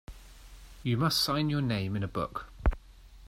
You must sign your name in a book.